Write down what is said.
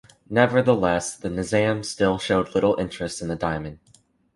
Nevertheless, the Nizam still showed little interest in the diamond.